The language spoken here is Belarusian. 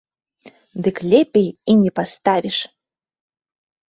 Дык лепей і не паставіш!